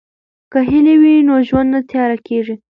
که هیله وي نو ژوند نه تیاره کیږي.